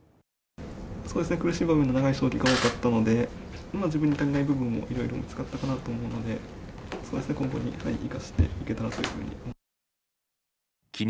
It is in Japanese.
苦しい部分の長い将棋が多かったので、今、自分に足りない部分もいろいろ見つかったかなと思うので、今後に生かしていけたらというふうに。